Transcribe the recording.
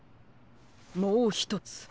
もうひとつ。